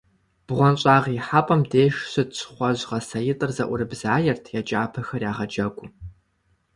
БгъуэнщӀагъ ихьэпӀэм деж щыт щхъуэжь гъэсаитӀыр зэӀурыбзаерт, я кӀапэхэр ягъэджэгуу.